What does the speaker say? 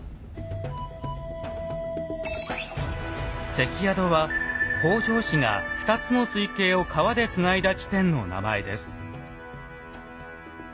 「関宿」は北条氏が２つの水系を川でつないだ地点の名前です。